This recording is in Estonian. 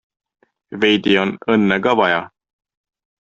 Veidi on õnne ka vaja.